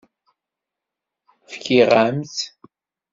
Fkiɣ-am-tt.